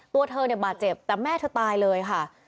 ตัวเธอเนี่ยบาดเจ็บแต่แม่เธอตายเลยค่ะ